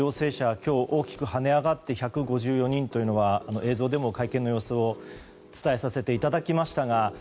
今日大きくはね上がって１５４人となりましたが映像でも、その会見の様子を伝えさせていただきました。